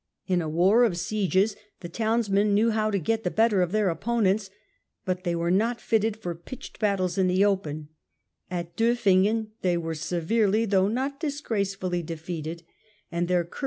In a war of sieges the townsmen knew how to get the better of their opponents, but they were not fitted for pitched battles in the open ; at Doffingen they were Battle of severely though not disgracefully defeated and their cour Pjo?